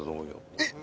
えっ！？